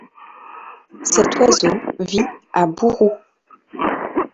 Cet oiseau vit à Buru.